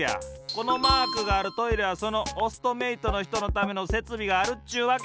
このマークがあるトイレはそのオストメイトのひとのためのせつびがあるっちゅうわけ。